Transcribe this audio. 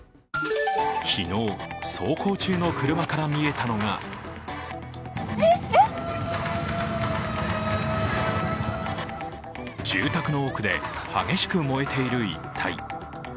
昨日、走行中の車から見えたのが住宅の奥で激しく燃えている一帯。